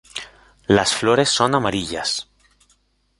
Los flores son amarillas.